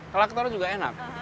kerak telur juga enak